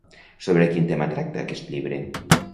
Sobre quin tema tracta aquest llibre?